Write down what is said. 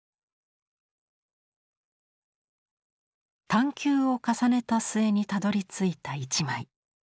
探求を重ねた末にたどりついた一枚。